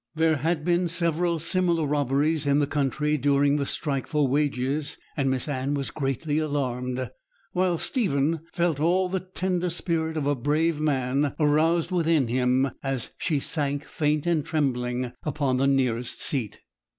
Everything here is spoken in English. There had been several similar robberies in the country during the strike for wages, and Miss Anne was greatly alarmed, while Stephen felt all the tender spirit of a brave man aroused within him, as she sank faint and trembling upon the nearest seat.